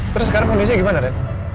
terus sekarang kondisi gimana ren